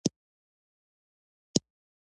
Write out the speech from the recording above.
متل دی: یوه سپي ژرنده څټله بل یې کونه څټله.